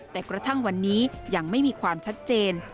แต่กระทั่งวันนี้ยังไม่มีความชัดเจน